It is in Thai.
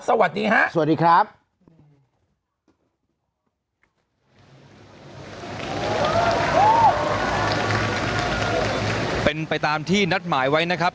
สวัสดีฮะสวัสดีครับเป็นไปตามที่นัดหมายไว้นะครับ